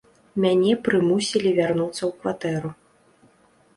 Мяне прымусілі вярнуцца ў кватэру.